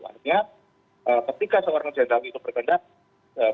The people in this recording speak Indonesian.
artinya ketika seorang jenderal itu berkendang